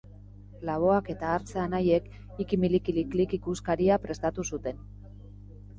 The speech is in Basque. Laboak eta Artze anaiek Ikimilikiliklik ikuskaria prestatu zuten